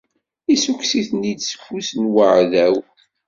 Issukkes-iten-id seg ufus n uɛdaw.